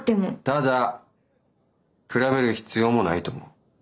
ただ比べる必要もないと思う。